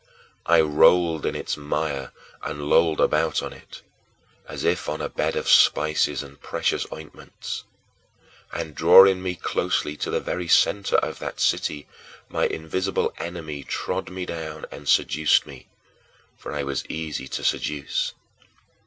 I rolled in its mire and lolled about on it, as if on a bed of spices and precious ointments. And, drawing me more closely to the very center of that city, my invisible enemy trod me down and seduced me, for I was easy to seduce.